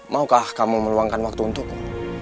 maukah kamu meluangkan waktu untukku